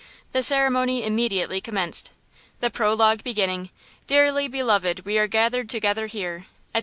The ceremony immediately commenced. The prologue beginning, "Dearly beloved, we are gathered together here," etc.